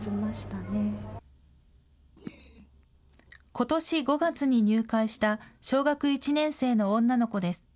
ことし５月に入会した小学１年生の女の子です。